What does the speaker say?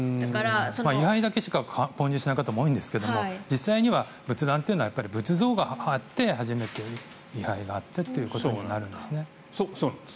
位牌だけしか購入しない方も多いんですが実際には仏壇というのは仏像があって初めて位牌がいあってということになるんですね。